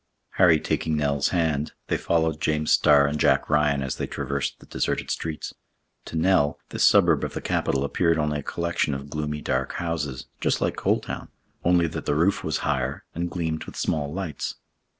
Harry taking Nell's hand, they followed James Starr and Jack Ryan as they traversed the deserted streets. To Nell, this suburb of the capital appeared only a collection of gloomy dark houses, just like Coal Town, only that the roof was higher, and gleamed with small lights.